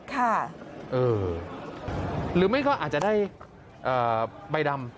ค่ะเออหรือไม่ก็อาจจะได้ใบดำ